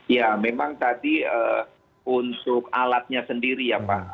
ya memang tadi untuk alatnya sendiri ya pak